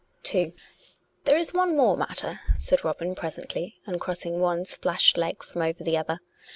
II " There is one more matter," said Robin presently, un crossing one splashed leg from over the other.